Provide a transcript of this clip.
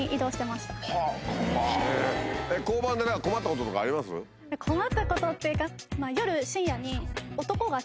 困ったことっていうか。